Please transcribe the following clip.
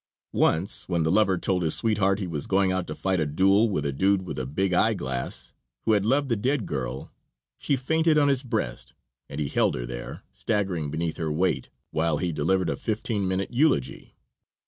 Once, when the lover told his sweetheart he was going out to fight a duel with a dude with a big eye glass, who had loved the dead girl, she fainted on his breast and he held her there, staggering beneath her weight, while he delivered a fifteen minute eulogy.